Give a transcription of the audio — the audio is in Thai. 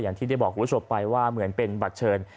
อย่างที่ได้บอกคุณผู้ชมไปว่าเหมือนเป็นบัตรเชิญ